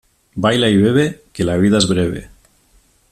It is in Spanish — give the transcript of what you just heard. Baila y bebe, que la vida es breve.